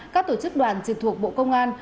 các tổ chức đoàn trực thuộc bộ công an